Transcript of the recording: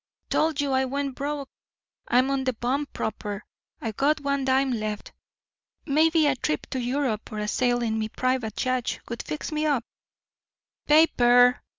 "Told you I went broke. I'm on de bum proper. I've got one dime left. Maybe a trip to Europe or a sail in me private yacht would fix me up— pa per!"